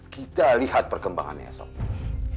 kita lihat perkembangannya esok